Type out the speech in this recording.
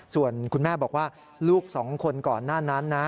ส่วนคุณแม่บอกว่าลูกสองคนก่อนหน้านั้นนะ